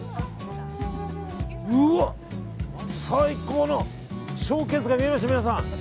うわ、最高のショーケースが見えました、皆さん。